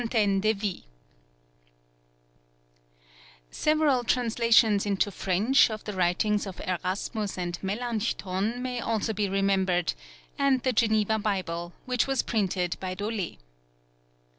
Several translations into French of the writings of Erasmus and Melanchthon may also be remembered, and the Geneva Bible, which was printed by Dolet.